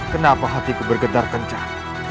kenapa hatiku bergedar kencang